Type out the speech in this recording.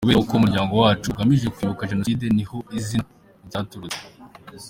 Kubera ko umuryango wacu ugamije kwibuka Jenoside ni ho izina ryaturutse.